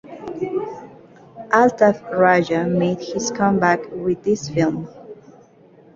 Altaf Raja made his comeback with this film.